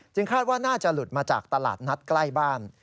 คาดว่าน่าจะหลุดมาจากตลาดนัดใกล้บ้าน